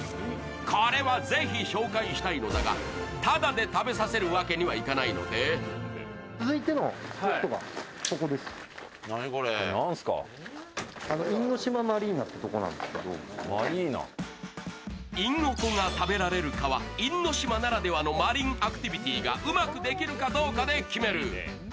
これはぜひ紹介したいのだがタダで食べさせるわけにはいかないのでいんおこが食べられる島因島のマリンアクティビティがうまくできるかどうかで決める。